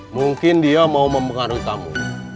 mungkin dia mau mempengaruhi tamu